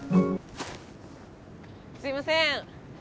すいません！